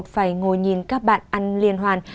phải ngồi nhìn các bạn ăn liên hoàn